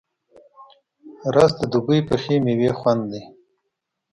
رس د دوبی پخې میوې خوند دی